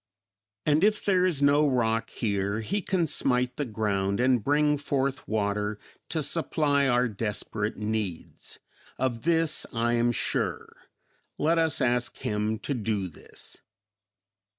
And if there is no rock here, He can smite the ground and bring forth water to supply our desperate needs. Of this I am sure; let us ask Him to do this."